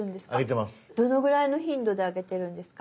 どのぐらいの頻度であげてるんですか？